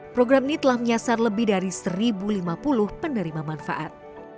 program ini telah menyasar lebih dari satu lima puluh penerima manfaat